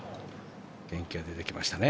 元気が出てきましたね。